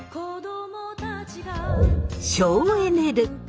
省エネ・ルック。